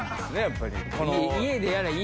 やっぱり。